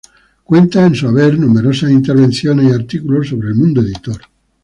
Cuenta en su haber numerosas intervenciones y artículos sobre el mundo editor.